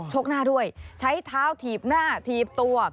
กหน้าด้วยใช้เท้าถีบหน้าถีบตัว